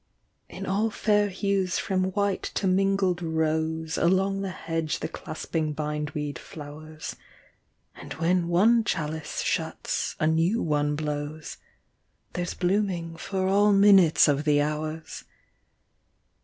In all fair hues from white to mingled rose. Along the hedge the clasping bindweed flowers ; And when one chalice shuts a new one blows. There's blooming for all minutes of the hours.